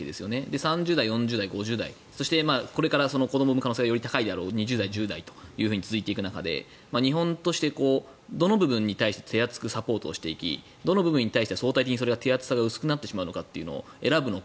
３０代、４０代、５０代そして、これから子どもを産む可能性がより高いであろう２０代、１０代と続いていく中で日本としてどの部分に手厚くサポートしていきどの部分に相対的に手厚さが薄くなってしまうのか選ぶのか。